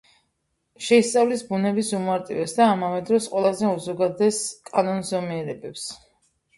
შეისწავლის ბუნების უმარტივეს და ამავე დროს ყველაზე უზოგადეს კანონზომიერებებს,